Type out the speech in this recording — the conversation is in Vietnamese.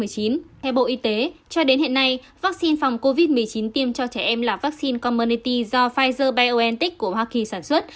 theo bộ y tế cho đến hiện nay vaccine phòng covid một mươi chín tiêm cho trẻ em là vaccine commerity do pfizer biontech của hoa kỳ sản xuất